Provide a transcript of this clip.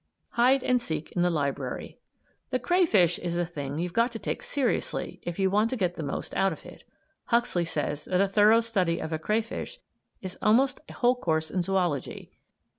HIDE AND SEEK IN THE LIBRARY The crayfish is a thing you've got to take seriously if you want to get the most out of it. Huxley says that a thorough study of a crayfish is almost a whole course in zoology.